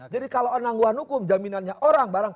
jadi kalau penangguhan hukum jaminannya orang barang